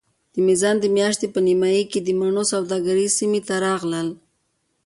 د میزان د میاشتې په نیمایي کې د مڼو سوداګر سیمې ته راغلل.